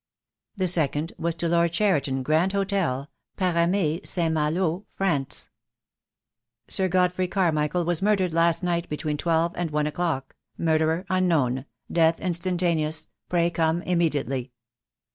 The second was to Lord Cheriton, Grand Hotel, Parame St. Malo, France: — "Sir Godfrey Carmichael was murdered last night, between twelve and one o'clock. Murderer unknown. Death instantaneous. Pray come immediately."